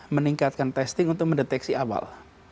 meningkatkan testing untuk mendeteksi awal